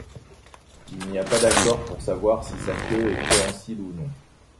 Il n'y a pas d'accord pour savoir si sa queue est préhensile ou non.